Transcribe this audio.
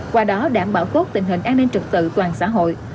qua đó đảm bảo tốt tình hình an ninh trực tự toàn xã hội